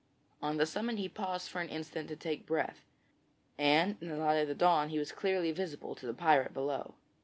On the summit he paused for an instant to take breath, and in the light of the dawn he was clearly visible to the pirate below.